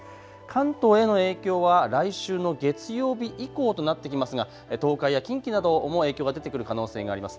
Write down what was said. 関東への影響は来週の月曜日以降となってきますが東海や近畿なども影響が出てくる可能性があります。